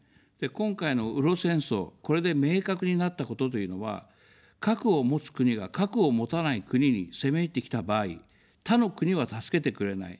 今回のウロ戦争、これで明確になったことというのは、核を持つ国が核を持たない国に攻め入ってきた場合、他の国は助けてくれない。